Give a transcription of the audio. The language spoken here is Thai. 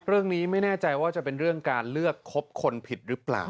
เรื่องนี้ไม่แน่ใจว่าจะเป็นเรื่องการเลือกคบคนผิดหรือเปล่า